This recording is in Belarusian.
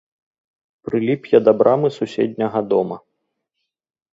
Прыліп я да брамы суседняга дома.